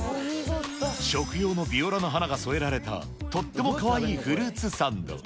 食用のビオラの花が添えられたとってもかわいいフルーツサンド。